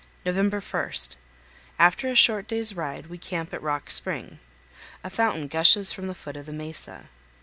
November 1. After a short day's ride we camp at Rock Spring. A fountain gushes from the foot of the mesa.